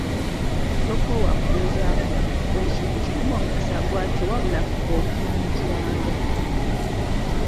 Tokoowa kugezaako, buli kintu kirimu omukisa gwakyo wabula fuba kunyiikiranga.